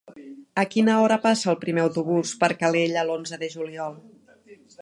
A quina hora passa el primer autobús per Calella l'onze de juliol?